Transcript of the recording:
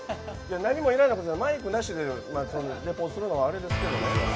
何もいらないじゃない、マイクなしでするのもあれですけどね